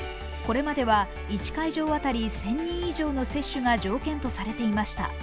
これまでは１会場当たり１０００人以上の接種が条件とされていました。